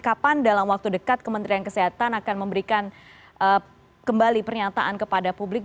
kapan dalam waktu dekat kementerian kesehatan akan memberikan kembali pernyataan kepada publik